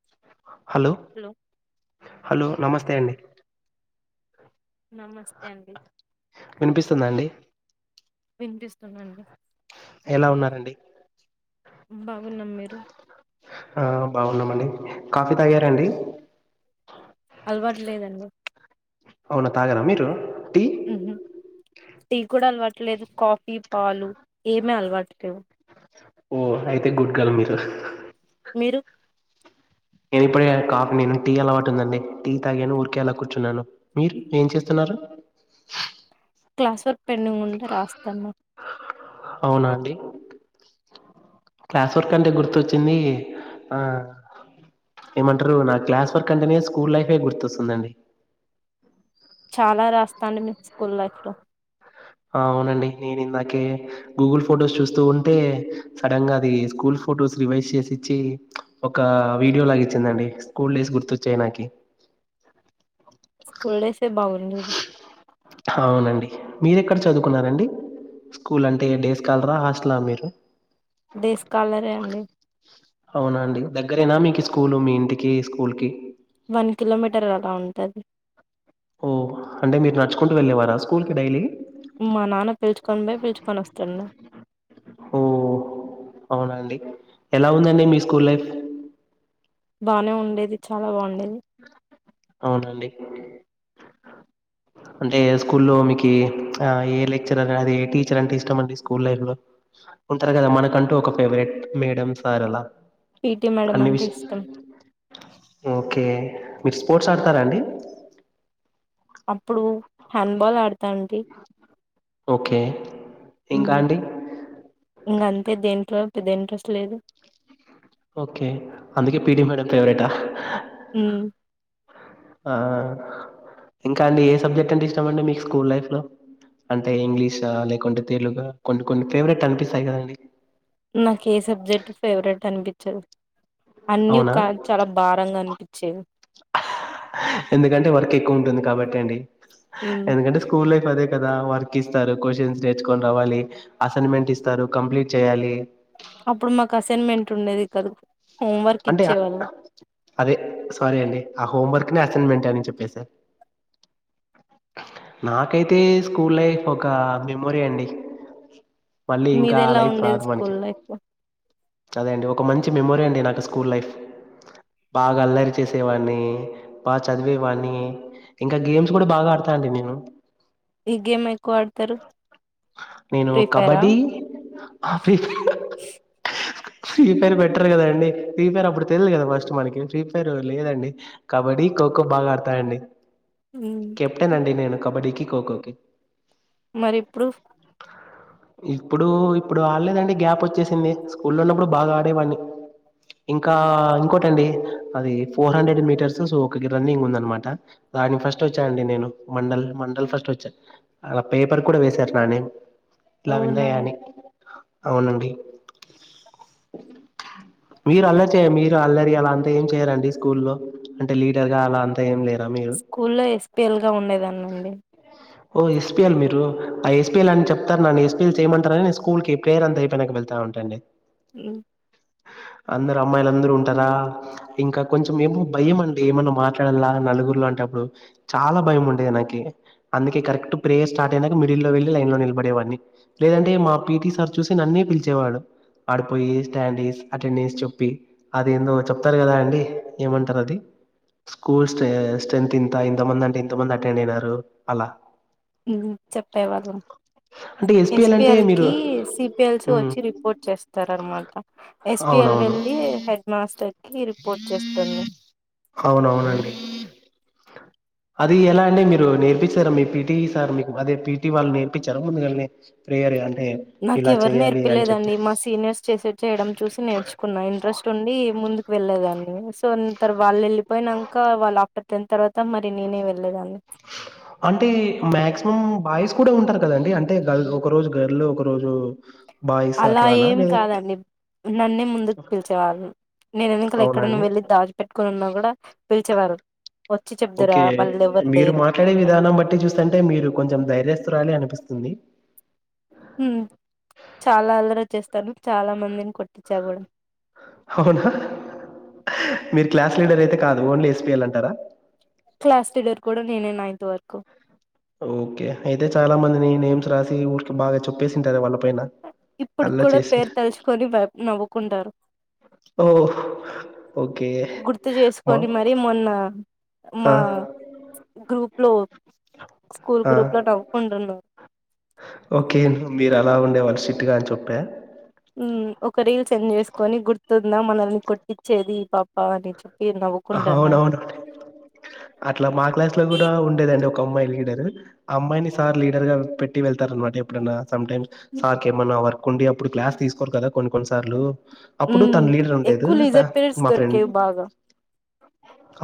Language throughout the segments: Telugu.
[inaudible] హలో హలో నమస్తి అండి నమస్తే అండి వినిపిస్తుందా అండి వినిపిస్తుందండి ఎలా ఉన్నారండి బా గున్నాం మీరు ఆ బాగున్నామండి. కాఫీ తాగార అండి అలవాటు లేదండి అవునా తాగర మీరు టీ మ్మ్ హు టీ కూడా అలవాటులేదు. కాఫీ, పాలు ఏమీ అలవాటు లేవు ఓ అయితే గుడ్ గర్ల్ మీరు మీరు నేను ఇప్పుడే కాఫీ నేను టీ అలవాటు ఉందండి. టీ తాగాను ఊరికే అలా కూర్చున్నాను. మీరు ఏం చేస్తున్నారు క్లాస్ వర్క్ పెండింగ్ ఉంటె రాస్తున్నా అవునా అండి క్లాస్ వర్క్ అంటే గుర్తొచ్చింది ఆ ఏమంటారు నా క్లాస్ వర్క్ అంటేనే స్కూల్ లైఫే గుర్తొస్తోంది చాలా రాస్తాను మీ స్కూల్ లైఫ్ లో ఆ అవునండి నేను ఇందాకే గూగుల్ ఫొటోస్ చూస్తూ ఉంటే సడన్ గా అది స్కూల్ ఫొటోస్ రివైజ్ చేసిచ్చి ఒక వీడియో లాగచ్చిందండి స్కూల్ డేస్ గుర్తొచ్చాయి నాకి కుల్ డేస్ బాగుండును అవునండి. మీరెక్కడ చదువుకున్నారండి స్కూల్ అంటే ఏ డేస్ కాలరా హాస్టలా మీరు డేస్ కాలరే అండి అవునా అండి దగ్గరేనా మీకీ స్కూలు మీ ఇంటికి స్కూల్ కి వన్ కిలోమీటర్ అలా ఉంటాది ఓ అంటే మీరు నడుచుకుంటూ వెళ్ళేవారా స్కూల్ కి డైలీ మా నాన్న పిలుచుకొని పోయి పిలుచుకొని వస్తుండు ఓ అవునండి ఎలా ఉందండి మీ స్కూల్ లైఫ్ బానే ఉండేది చాలా బాగుండేది అవునండి అంటే స్కూల్లో మీ ఏ లెక్చర్ అద ఏ టీచర్ అంటే ఇష్టం అండి స్కూల్ లైఫ్ లో ఉంటారు కదా మనకంటూ ఒక ఫేవరెట్ మేడం సార్ అలా పీటీ మేడం అన్ని అంటే విష ఇష్టం ఓకే బి [unintelligible] స్పోర్ట్స్ ఆడతారాండి అప్పుడు హ్యాండ్ బాల్ ఆడుతు అండి ఓకే ఉ ఇంకా మ్ అండి ఇంకా అంతే దేంట్లో పెద్ద ఇదింట్రెస్ట్ లేదు ఓకే అందుకే పిటీ మేడం ఫేవరేట్ ఆ హ్మ్ ఇంకా అండి ఏ సబ్జెక్ట్ అంటే ఇష్టామ అండి మీకు స్కూల్ లైఫ్ లో అంటే ఇంగ్లీషా లేకుంటే తెలుగు కొన్ని కొన్ని ఫేవరెట్ అనిపిస్తాయి కదండి నాకు ఏ సబ్జెక్ట్ ఫేవరెట్ అనిపించంది చె [unintelligible] అన్నీ అవునా కా చాలా భారంగా అనిపించేవి ఎందుకంటే వర్క్ ఎక్కువ ఉంటుంది కాబట్టి అండి హ్మ్. ఎందుకంటే స్కూల్ లైఫ్ అదే కదా వర్క్ ఇస్తారు క్వశ్చన్స్ నేర్చుకొని రావాలి అసైన్మెంట్ ఇస్తారు కంప్లీట్ చేయాలి అప్పుడు మాకు అసైన్మెంట్ ఉండేది కాదు హోంవర్క్ అంటే ఇచ్చేవాళ్ళు అదే సారీ అండి ఆ హోంవర్క్ ని అసైన్మెంట్ అని చెప్పేసారు నాకైతే స్కూల్ లైఫ్ ఒక మెమోరీ అండి మళ్ళీ మీద ఇంకా ఆ ఎలా లైఫ్ ఉండేది రాదు మనకి స్కూల్ లైఫ్ లో అదే అండి ఒక మంచి మెమొరి అండి నాకు స్కూల్ లైఫ్ బాగా అల్లరి చేసేవాడిని బాగా చదివేవాడిని ఇంకా గేమ్స్ కూడా బాగా ఆడతాండి నేను ఈ గేమ్ ఎక్కువ ఆడతారు నేను ఫ్రీ ఫైరా kabaddi Free Fire Free Fire better కదండి ఫ్రీ ఫైర్ అప్పుడు తెలియదు కదా ఫస్ట్ మనకి ఫ్రీ ఫైర్ లేదండి కబడ్డీ ఖోఖో బాగా ఆడతాయంండి కెప్టన్ అండి నేను కబడ్డీకి ఖో ఖో కీ మరి ప్రూఫ్ ఇప్పుడు ఇప్పుడు ఆడలేదండి గ్యాప్ వచ్చేసింది స్కూల్ లో ఉన్నప్పుడు బాగా ఆడేవాన్ని ఇంకా ఇంకోటండి అది ఫోర్ హండ్రెడ్ మీటర్స్ సో ఒక గి రన్నింగ్ ఉంద అనమాట దాని ఫస్ ఫస్ట్ వచ్చాఅండి నేను మండల్ మండల్ ఫస్ట్ వచ్చా అలా పేపర్ కూడా వసారు నానేమ్ అవునా ట్లవిందయని అవునండి మీరు అల్లరి చేయ మీరు అల్లరి అలా అంత ఏం చేయారండి స్కూల్లో అంటే లీడర్ గా అలా అంత ఏం లే స్కూల్లో ఎస పేల్గా ఉండేదన్నండి ఓ ఎస్పిఎల్ మీరు ఆ ఎస్పీఎల్ అని చెప్తారు నన్ను ఎస్పిఎల్ చేయమంటారని నేను స్కూల్ కి ప్రేయర్ అంత అయిపోయినాక వెళ్తా అంటండి ఉమ్ అందరు అమ్మాయిలు అందరూ ఉంటారా ఇంకా కొంచెం ఏమో భయం అండి ఏమన్నా మాట్లాడాలలా నలుగురిలో అంటే అప్పుడు చాలా భయం ఉండేది నాకి అందుకే కరెక్ట్ ప్రేయర్ స్టార్ట్ అయినాక మిడిల్లో వెళ్ళి లైన్ లో నిలబడే వాడిని లేదంటే మా పిటి సార్ చూసి నన్నే పిలిచేవాడు ఆడిపోయి స్టాడ్స్ అటెండెస్ చెప్పి అది ఏందో చెప్తారు కదా అండి ఏమంటారు అది స్కూల్ స్ట్రెంత ఇంతంతమంది అంటే ఇంతమంది అటెండ్ అయినారు అలా. ఉమ్ చెప్పేవాళ్ళం అంటే ఎస్‌పీఎల్ అంటే ఎస్పిఎల్ కి మీరు సిపిఎల్సి హ్మ్ వచ్చి రిపోర్ట్ చేస్తార అనమాట ఎస్పిఎల్ అవునవును వెళ్ళి హెడ్ మాస్టర్ కి రిపోర్ట్ చేస్తంది అవునవునండి అది ఎలా అండి మీరు నేర్పిించారా మీ పిటీ సార్ మీకు అదే పిటీ వాళ్ళు నేర్పించార ముందుగాల్నే ప్రేయర్ అ నాకు ఎవరు నేర్పలేదండి మా సీనియర్స్ చేసే చేయడం చూసి నేర్చుకున్నా ఇంట్రెస్ట్ ఉండి ముందు వెళ్ళలేదాన్ని సో తర్వా వాళ్ళు వెళ్ళిపోయినంక వాళ్ళ ఆఫ్టర్ టెన్త్ తర్వా అంటే మక్సిమం బాయిస్ కూడా ఉంటారు కదండి అంటే గల్ ఒక రోజు గర్లు ఒక రోజు బాయ్స్ అలా అట్లానా ఏం లేదా కాదండి నన్నే ముందుకు పిలిచేవాళ్ళు నేను వెనకల అవునా ఎక్కడ ను అండి వెళ్ళి దాచి పెెట్టుకుని ఉన్నా కూడా పిలిచేవారు చెప్దురా ఓకే వాళ్ళు ఎవరు మీరు లేరు మాట్లాడే విధానం బట్టి చూస్తంటే మీరు కొంచెం ధైర్యస్తురాలి అనిపిస్తుంది ఉమ్ చాలా అల్లారేచ్చేస్తాను చాలా మందిని కొట్టించా కూడా అవునా మీరు క్లాస్ లీడర్ అయితే కాదు ఓన్లీ ఎస్పిఎల్ అంటారా క్లాస్ లీడర్ కూడా నేనే నైన్ంత్ వరకు క్కొ ఓకే అయితే చాలా మందిని నేమ్స్ రాసి ఊకి బాగా చెప్పేసింటారు వాళ్ళ పైన. ఇప్పుడు అల్లరి కూడా పేరు చేసింటారు. తలుచుకొని నవ్వుకుంటారు ఓహ్! ఓకే. గుర్తు మా చేసుకొని మరి మొన్న ఆ! మా గ్రూప్ ఫ్లో ఆ ఓకే మీర అలా ఉండేవా సిట్గా అని చెప్ప ఉమ్ ఒక రీల్ సెండ్ చేసుకొని గుర్తుందా మనల్ని కొట్టించేది ఇ పాప అని చ అవునవును అట్లా మా క్లాస్ లో కూడా ఉండేదండి ఒక అమ్మాయి లీడర్ ఆ అమ్మాయిని సార్ లీడర్ గా పెట్టి వెళ్తారు అనమాట ఎప్పుడన్నా సమ్ టైం సార్ కి ఎమన్న వర్ కుండి అప్పుడు క్లాస్ తీసుకోరు కదా కొన్ని కొన్నిసార్లు ఉ మ్ ఎక్కువ లీజర్ పీరియడ్స్ మా ఫ్రెండ్ దొరికేవి బాగా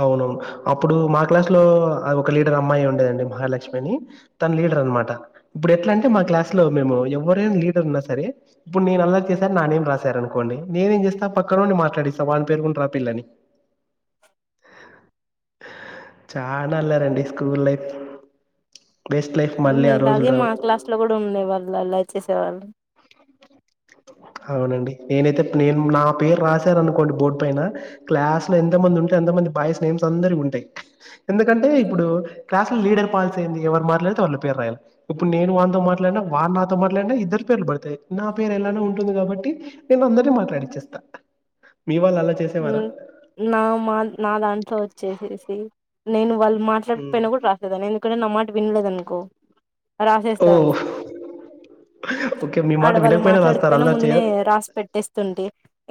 అవునవును అప్పుడు మా క్లాస్ లో ఆమ్ ఒక లీడర్ అమ్మాయి ఉండేదండి. మహాలక్ష్మి అని తన్ లీడర్ అన్మాట, ఇప్పుడు ఎట్లా అంటే మా క్లాస్ లో మేము ఎవరైనా లీడర్ ఉన్నా సరే, ఇప్పుడు నేను అల్లర్ చేశారు నా నేం రాశారు అనుకోండి. నేనేం చేస్తా పక్కనాన్డి మాట్లాడిస్తా వానీ పేరుగున్ రాపిల్లని. చానా అల్లారండి స్కూల్ లైఫ్ బెస్ట్ లైఫ్ ఉమ్ మళ్ళీ మీ ఆ రోజులు ఇలాగే రావు. మా క్లాస్ లో కూడా ఉండే వాళ్ళు. అల్లర్ చేేసేవాళ్ళు. అవునండి, నేనైతే నేను నా పేరు రాశారానుకోండి. బోర్డు పైన క్లాస్ లో ఎంతమంది ఉంటే అంతమంది, బాయ్స్ నేమ్స్ అందరి ఉంటాయ్. ఎందుకంటే ఇప్పుడు క్లాస్ లో లీడర్ పాల్స్ ఏంది ఎవరు మాట్లాడితే వాళ్ళ పేరు రాయాలి, ఇప్పుడు నేను వాన్తో మాట్లాడినా, వాడ్ నాతో మాట్లాడినా ఇద్దరు పేర్లు పడతాయి. నా పేరు ఎలానో ఉం టుంది కాబట్టి నేన్ అందర్ని మాట్లాడిచ్చేస్తా. మీ వాళ్ళు అలా చేసేవారా? ఉమ్ నా మా నా దాంట్లో వచ్చేసేసి నేను వల్ హ్మ్. మాట్లాడక్పోయినా గూడ్ రాసేదాని, ఎందుకంటే నా మాట్ విన్లేదనుకో రాసేస్తా. ఉంది. ఓహ్! ఓకే. మీ ఆడ మాట వాళ్ళు వినకపోయినా మాట్లాడక్ రాస్తారు పోయినా అల్లరి చేయ ముందునే రాసి పెట్టేస్తుంటి,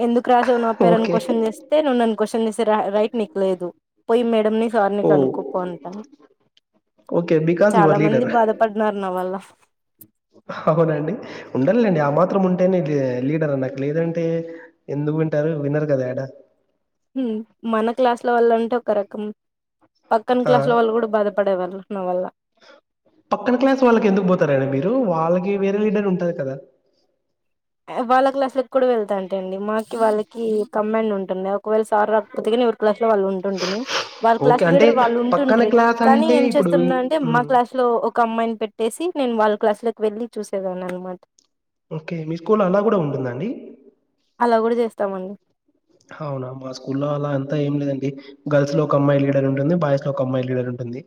ఎందుకు రాసవ్ నా పేరు అన్ ఓకే. క్వస్ తే నువ్ నన్ను క్వశ్చనేస్తే రా రైట్ నిక్లేదు. పోయి మేడంని సార్నీ ఓహ్! అనుకోపో అంటా. ఓకే. బికాస్ యూ చాలా ఆర్ మంది లీడర్. బాధపడ్నారు నా వల్ల. అవునండి. ఉండాలేండి. ఆ మాత్రం ఉంటేనే దే లీడర్ అన్నట్ లేదంటే. ఎందుకు వింటారు వినర్ కదా యేడా. ఉమ్ మన క్లాస్లో వాళ్ళంటే ఒక రకం. పక్కన ఆ! క్లాస్లో వాళ్ళు గూడా బాధపడే వాళ్ళు. నా వల్ల పక్కన క్లాస్ వాళ్ళకి ఎందుకు పోతారాండి మీరు. వాళ్ళకి వేరే లీడర్ ఉంటాద్ కదా. వాళ్ళ క్లాస్లో కి కూడా వెళ్తాంటండి. మాకి, వాళ్ళకి కమాండ్ ఉంటుంది. ఒకవేళ సార్ రాక్పోతే గానీ ఎవరి క్లాస్ లో వాళ్ళు ఉంటుంటుమి. వాళ్ళ ఓకే. క్లాస్ అంటే లీడర్ వాళ్ళు పక్కన ఉంటుండ్రి క్లాస్ కానీ అంటే ఏం ఇప్పుడు చేస్తునన్నంటే. మా హ్మ్. క్లాస్ లో ఒక అమ్మాయిని పెట్టేసి నేను వాళ్ళ క్లాస్లోకి వెళ్ళి చూసేదాన్ని అనమాట. ఓకే మీ స్కూల్ అలా కూడా ఉంటుందండి. అలా గూడా జేస్తామండి. అవునా మా స్కూలో అలా అంత ఏం లేదాండ్ గర్ల్స్ లో ఒక అమ్మాయి లీడర్ ఉంటుంది. బాయ్స్ లో ఒక అమ్మాయి లీడర్ ఉంటుంది.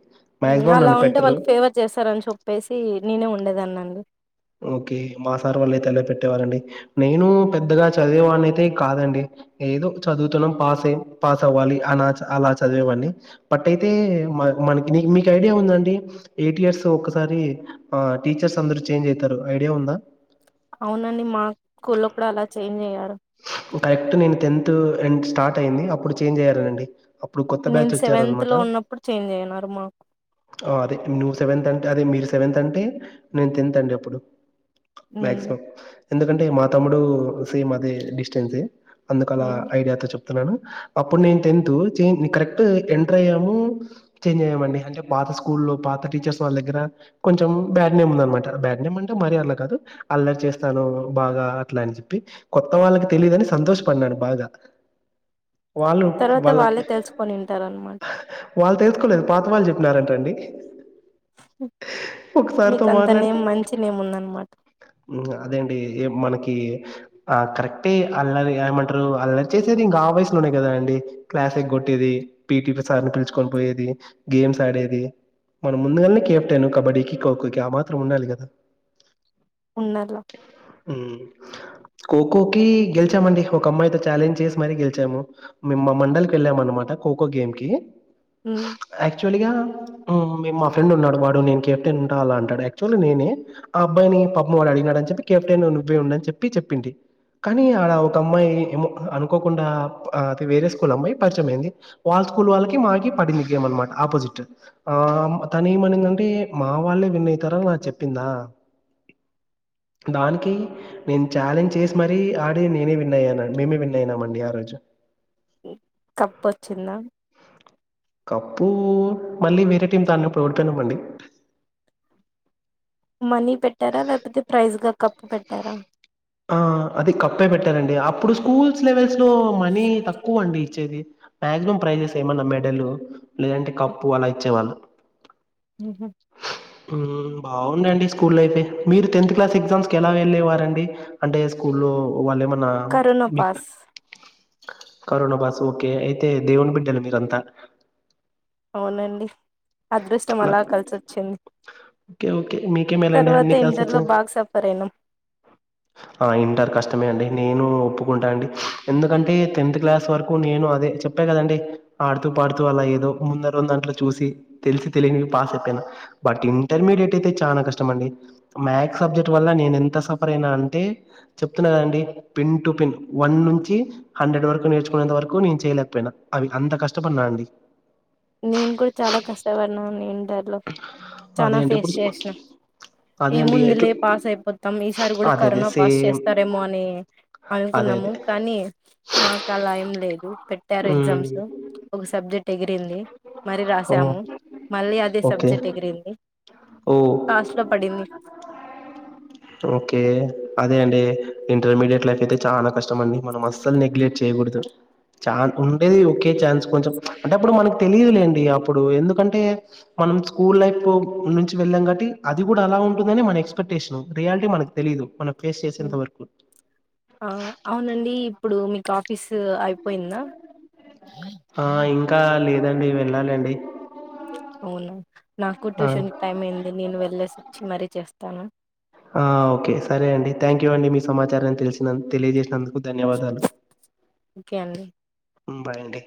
ఉమ్ మాక్సిమం అలా నన్ను ఉంటే పెట్టరు. వాళ్ళకి ఫేవర్ చేస్తారని చోప్పేసి. నేనే ఉండేధన్నండి. ఓకే మా సార్ వాళ్ళ అయితే అలా పెట్టేవారండి. నేను పెద్దగా చదివేవాన్నీ అయితే కాదండి, ఏదో చదువుతున్నాం పాసే పాస్ అవ్వాలి. అనా చ్ అలా చదివేవాడ్ని. పట్ అయితే మా మనకి నీ మీకు ఐడియా ఉందండి. ఎయిట్ ఇయర్స్ ఒకసారి ఆ టీచర్స్ అందరు. చ్ చేంజ్ అయితారు. ఐడియా ఉందా? అవునండి. మా కుల్లో కూడా అలా చేంజ్ అయ్యారూ కర్క్ట్ నేను టెన్త్ ఎండ్ స్టార్ట్ అయ్యింది. అప్పుడు చేంజ్ అయ్యారరాండి. నేను సెవెన్త్ లో ఉన్నప్పుడు. చేంజ్ అయ్యనారు మాకు. ఆగో అదే నువ్వు సెవెంత్ అంటే, అదే మీరు సెవెంత్ అంటే నేను టెన్త్ అండి అప్పుడు. హ్మ్. మాక్సిమం ఎందుకంటే మా తమ్ముడు సేమ్ అదే డిస్టెన్సే అందుకలా హ్మ్. ఐడియాతో చెప్ తనను అప్పుడు నేను టెన్ కరెక్ట్ ఎంటర్ అయ్యాము చేంజ్ అయ్యామండి అంటే పాత స్కూల్లో పాత టీచర్స్ వాళ్ళ దగ్గర కొంచెం బ్యాడ్ నేమ్ ఉంద అనమాట బ్యాడ్ నేమ్ అంటే మరి అలా కాదు అల్ల చేస్తాను బాగా అట్లా అని చెప్పి కొత్త వాళ్ళకి తెలిదుని సంతోషపడినాను బాగా వాళ్ళు తర్వాత వాళ్ళే తెలుసుకొని ఉంటారనమాట వాళ్ తెలుసుకోలేదు పాతవాళ్ చెప్ న్నారాంటండి హ్మ్. ఒకసారితో మీకంత మాట్లాడితే నేమ్ మంచి నేమ్ ఉందనమాట. గ అదేండి ఏ మనకి ఆ కరెక్టే అల్లరి ఏంమంటరు అల్లరి చేసేది ఇంకా ఆ వయసు లోనే కదా అండి క్లాస్ ఎగగొట్టేది పిటి సార్ పిలుచుకొని పోయేది గేమ్ మ్స్ ఆడేది మనం ముందుగానే కేప్టను కబడ్డీకి ఖోఖో కి ఆ మాత్రం ఉండాలి కదా ఉండల్లా. ఉమ్ ఖోఖో కి గెలిచామండి ఒక అమ్మాయితో ఛాలెంజ్ చేసి మరీ గెలిచాము మేమ్ మా మండలికి వెళ్ళామ అన్నమాట ఖోఖో గేమ్ కి ఉమ్ గా మా ఫ్రెండ్ ఉన్నాడు వాడు నేను కెప్టెన్ ఉంటా అలా అంటాడు యాక్చువల్లీ నేనే ఆ అబ్బాయిని పాపం వాడు అడిిగినడ అని చెప్పి కెప్టెన్ నువ్వే ఉడు అని చెప్పి చెప్పింది కానీ ఆ ఒక అమ్మాయి ఏమో అనుకోకుండా వేరే స్కూల్ అమ్మాయి పరిచయయం అైంది వాళ్ళ స్కూల్ వాళ్ళకి మాకి పడింది గేమ్ అనమాట ఆపోజిట్ ఆ తను ఏమనిందంటే మా వాళ్ళే విన్ అయితారని నాకు చెప్పిందా దానికి నేను ఛాలెంజ్ చేసి మరీ ఆడి నేనే విన్ అయ్యాను మేమే విన్ అయినాం అండి ఆ రోజు కప్పుొచ్చిందా కప్పు మళ్ళీ వేరే టీమ్ తో ఆన్నపుడు ఓడిపోయినమండీ మనీ పెట్టారా లేకపోతే ప్రైజ్ గా కప్పు పెట్టారా ఆ అది కప్పే పెట్టారండి అప్పుడు స్కూల్స్ లెవెల్ లో మనీ తక్కువ అండి చేది మాక్సిమం ప్రైజెస్ ఏమన్నా మెడల్ లేదంటే కప్పు అలా ఇచ్చేవాళ్ ఉమ్ హు ఉమ్ బాగుండే అండి స్కూల్ లైఫే మీరు టెన్త్ క్లాస్ ఎగ్జామ్స్ కి ఎలా వెళ్ళలేవారండి అంటే స్కూల్ల్లో వాళ్ళు ఏమన్ కరుణపాస్ కరోనా పాస్ ఓకే అయితే దేవుని బిండాలు మీరంతా అవునండి అదృష్టం అలా కలిసొచ్చింది ఒకే ఓక్ తర్వాత ఇంటర్లో బాగ్ సఫర్ అయినాం ఆ ఇంటర్ కష్టమే అండి నేను ఒప్పుకుంటా అండి ఎందుకంటే టెన్త్ క్లాస్ వరకు నేను అదే చెప్పా కదండి ఆడుతూ పాడుతూ అలా ఏదో ముందరానీ దాంట్లో చూసి తెలిసి తెలియవి పాస్ అయిపోయిను బట్ ఇంటర్మీడియట్ అయితే చాలా కష్టం అండి మ్యాథ్స్ సబ్జెక్ట్ వల్ల నేను ఎంత సఫర్ నా అంటే చెప్తున్నకదండి పిన్ టు పిన్ వన్ నుంచి హండ్రెడ్ వరకు నేర్చుకునేంత వరకు నేను చేయలేకపోయినా అవి అంత కష్టపడినా అండి ఇన్ టర్లో చాల అదే అండి ఫేస్ ఇప్పుడు చేసిన ఏ అదే అండి ఎట్లా ముందులే పాస్ అయిపోతాం ఈసారి కూడా అదే అదే కరోనా పాస్ సేమ్ చేస్తారేమో అని అదే అనుకున్నాము అదే. కానీ మాకు అలా ఏం లేదు పెట్టారు హ్మ్. ఎగ్జామ్స్ ఒక సబ్జెక్ట్ ఎగిరింది మరి ఓహ్! రాసాము మళ్ళీ అదే ఓకే. సబ్జెక్ట్ ఎగిరింది ఓహ్! లాస్ట్లో పడింది ఓకే అదే అండి ఇంటర్మీడియట్ లైఫ్ అయితే చాలా కష్టం అండి మనం అస్సలు నెగ్లెక్ట్ చేయకూడదు చాన్ ఉండేది ఒకే ఛాన్స్ కొంచెం అంటే అప్పుడు మనకు తెలిదులేండి అప్పుడు ఎందుకంటే మనం స్కూల్ లైఫ్ నుంచి వెళ్ళాం కాట్టి అది కూడా అలా ఉంటుందని మన ఎక్స్పెక్టేషన్ రియాలిటీ మనకు తెలీదు మన ఆ అవునండి ఇప్పుడు మీకు ఆఫీస్ టూ అయి పోయిన్నా ఆ ఇంకా లేదండి వెళ్ళాలండి అవునా నాకు ఆ ట్యూషన్ కి టైమ్ అయింది నేను వెళ్లేసి వచ్చి మరీ చేస్తా తను ఆ ఒకే సరే అండి థ్యాంక్ యూ అండి మీ సమాచారాన్ని తెలిసిన తెలియజేసినందుకు ధన్యవాదాలు ఓకే అండి మ్మ్ బాయ్ అండి